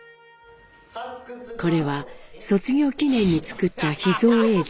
これは卒業記念に作った秘蔵映像。